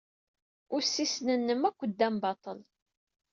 Ussisen-nnem akk ddan baṭel.